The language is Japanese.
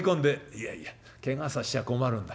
「いやいやケガせさせちゃ困るんだ。